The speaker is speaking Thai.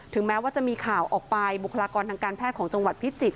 แม้ว่าจะมีข่าวออกไปบุคลากรทางการแพทย์ของจังหวัดพิจิตร